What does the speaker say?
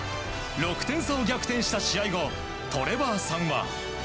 ６点差を逆転した試合後トレバーさんは。